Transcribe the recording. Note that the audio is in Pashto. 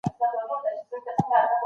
ماته مخامخ وګوره.